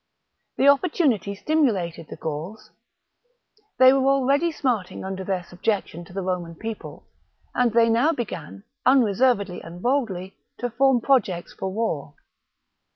The opportunity stimulated the Gauls. They were already smart ing under their subjection to the Roman People ; and they now began, unreservedly and boldly, to form projects for war.